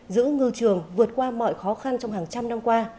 giữ ngư trường vượt qua mọi khó khăn trong hàng trăm năm qua